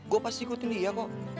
gue pasti ikutin dia kok